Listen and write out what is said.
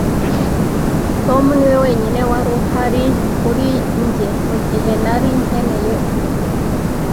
Tom niwe wenyine wari uhari kuri njye mugihe nari nkeneye umuntu.